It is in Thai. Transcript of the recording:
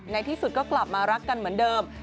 ในที่สุดก็กลับมารักกันเหมือนเดิม